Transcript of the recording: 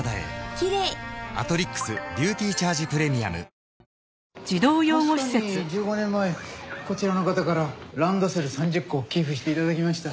確かに１５年前こちらの方からランドセル３０個を寄付して頂きました。